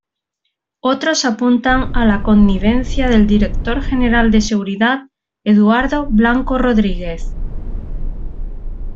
Otros apuntan a la connivencia del director general de Seguridad, Eduardo Blanco Rodríguez.